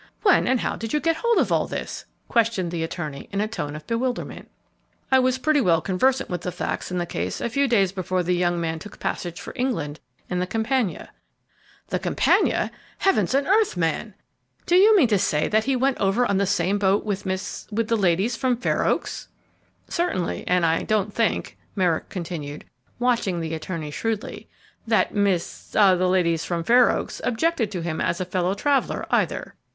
when and how did you get hold of all this?" questioned the attorney, in a tone of bewilderment. "I was pretty well conversant with the facts in the case a few days before the young man took passage for England, in the 'Campania.'" "The 'Campania!' Heavens and earth, man! Do you mean to say that he went over on the same boat with Miss with the ladies from Fair Oaks?" "Certainly; and I don't think," Merrick continued, watching the attorney shrewdly, "that Miss the ladies from Fair Oaks objected to him as a fellow traveller, either."